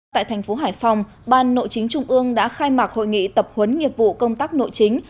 tại thành phố hải phòng ban nội chính trung ương đã khai mạc hội nghị tập huấn nghiệp vụ công tác nội chính